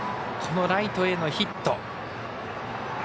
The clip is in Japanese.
ライトへのヒット。